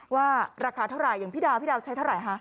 ว่าราคาเท่าไหร่อย่างพี่ดาวพี่ดาวใช้เท่าไหร่คะ